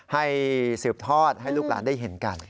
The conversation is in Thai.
ให้สืบทอดให้ลูกหลานได้เห็นกัน